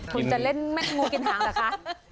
คุณจะเล่นแม่งูกินหางเหรอคะ